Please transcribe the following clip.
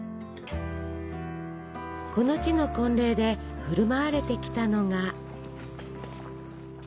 この地の婚礼で振る舞われてきたのが。